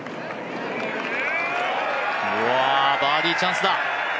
バーディーチャンスだ。